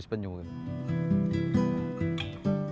jadi penyu berlimbing di sini itu memungkinkan dan baik menurut ekologis penyu